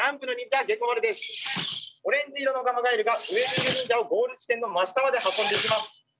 オレンジ色のガマガエルが上にのる忍者をゴール地点の真下まで運んでいきます。